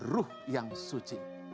ruh yang suci